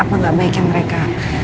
apa gak baiknya mereka